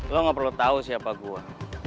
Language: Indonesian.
lo gak perlu tau siapa gue